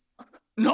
何！？